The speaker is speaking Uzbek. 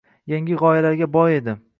Yangi g‘oyalarga boy edi.